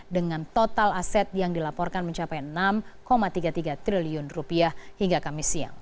dengan total aset yang dilaporkan mencapai rp enam tiga puluh tiga triliun hingga kamis siang